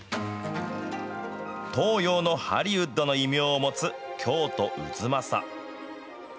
東洋のハリウッドの異名を持つ京都・太秦。